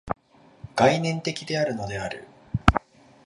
概念的であるのである。